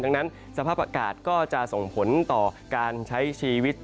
ดังนั้นสภาพอากาศก็จะส่งผลต่อการใช้ชีวิต